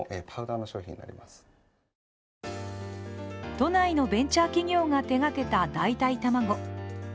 都内のベンチャー企業が手がけた代替卵。